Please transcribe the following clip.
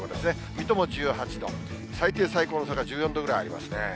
水戸も１８度、最低、最高の差が１４度ぐらいありますね。